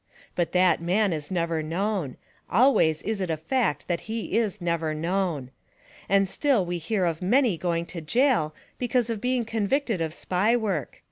But that man is never known ; always is it a fact that he is never known. And still we hear of many going to jail because of being convicted of Spy work.